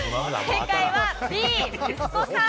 正解はＢ・息子さん。